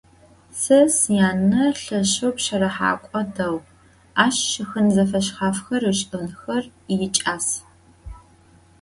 Se syane lheşşeu pşerıhek'o değu, aş şşxın zefeşshafxer ış'ınxer yiç'as.